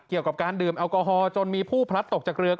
เกี่ยวกับการดื่มแอลกอฮอลจนมีผู้พลัดตกจากเรือ